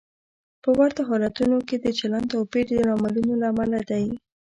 په ورته حالتونو کې د چلند توپیر د لاملونو له امله دی.